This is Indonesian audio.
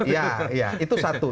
ya ya itu satu